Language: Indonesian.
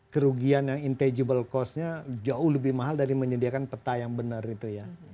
kerugian yang intangible cost nya jauh lebih mahal dari menyediakan peta yang benar itu ya